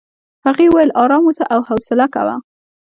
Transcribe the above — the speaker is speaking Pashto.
هغې وویل ارام اوسه او حوصله کوه.